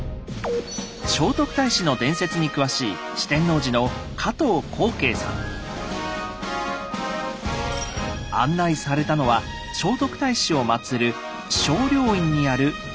聖徳太子の伝説に詳しい案内されたのは聖徳太子を祀る聖霊院にあるお堂。